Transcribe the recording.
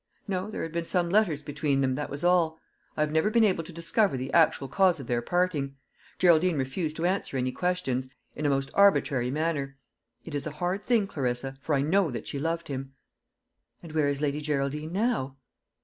No; there had been some letters between them, that was all. I have never been able to discover the actual cause of their parting. Geraldine refused to answer any questions, in a most arbitrary manner. It is a hard thing, Clarissa; for I know that she loved him." "And where is Lady Geraldine now?"